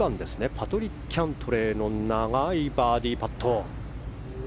パトリック・キャントレーの長いバーディーパット。